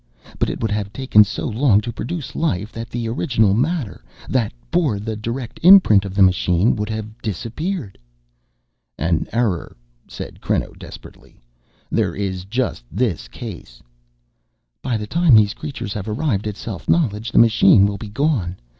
But it would have taken so long to produce life that the original matter, that bore the direct imprint of the machine, would have disappeared." "An error," said Creno desperately. "There is just this case." "By the time these creatures have arrived at self knowledge the machine will be gone.